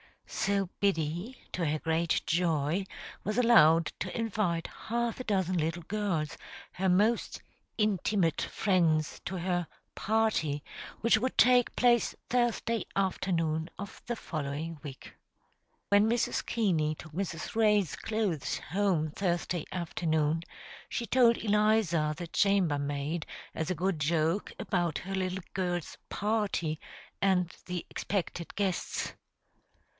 So Biddy, to her great joy, was allowed to invite half a dozen little girls, her most "intimate" friends, to her "party," which would take place Thursday afternoon of the following week. When Mrs. Keaney took Mrs. Ray's clothes home Thursday afternoon, she told Eliza, the chamber maid, as a good joke, about her little girl's "party" and the expected guests.